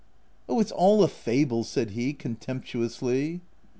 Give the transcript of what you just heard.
" Oh, it's all a fable ;" said he, contempt uously.